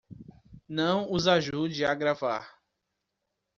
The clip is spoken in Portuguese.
Não os ajude a gravar